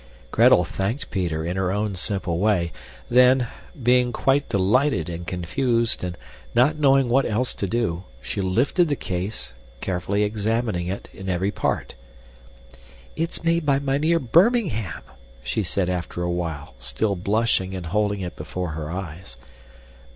Gretel thanked Peter in her own simple way, then, being quite delighted and confused and not knowing what else to do, she lifted the case, carefully examining it in every part. "It's made by Mynheer Birmingham," she said after a while, still blushing and holding it before her eyes.